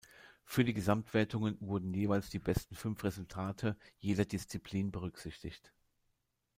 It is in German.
Für die Gesamtwertungen wurden jeweils die besten fünf Resultate jeder Disziplin berücksichtigt.